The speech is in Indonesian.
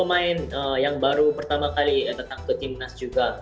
pemain yang baru pertama kali datang ke timnas juga